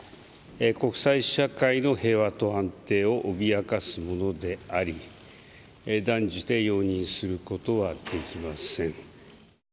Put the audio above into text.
国際社会の平和と安定を脅かすものであり、断じて容認することはできません。